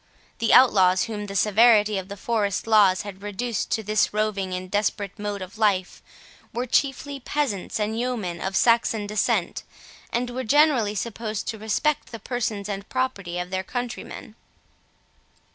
The outlaws, whom the severity of the forest laws had reduced to this roving and desperate mode of life, were chiefly peasants and yeomen of Saxon descent, and were generally supposed to respect the persons and property of their countrymen.